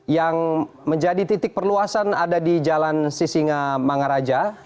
yang menjadi titik perluasan ada di jalan sisinga mangaraja